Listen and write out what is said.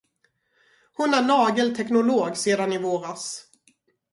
Hon är nagelteknolog sedan i våras.